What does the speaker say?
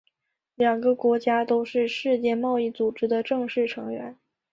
两个国家都是世界贸易组织的正式成员。